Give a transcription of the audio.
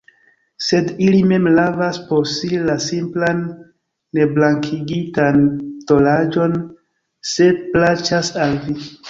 Sed ili mem lavas por si la simplan, neblankigitan tolaĵon, se plaĉas al vi.